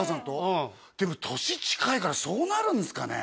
うんでも年近いからそうなるんですかね？